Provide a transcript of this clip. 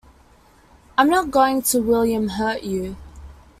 I'm not going to William Hurt you.